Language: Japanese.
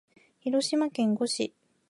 広島県呉市